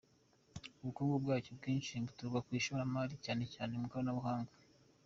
Ubukungu bwacyo bwinshi buturuka ku ishoramari, cyane cyane mu ikoranabuhanga.